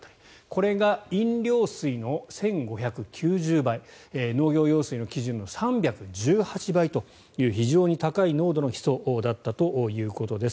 これが飲料水の１５９０倍農業用水の基準の３１８倍という非常に高い濃度のヒ素だったということです。